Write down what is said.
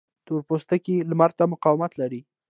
تور پوستکی لمر ته مقاومت لري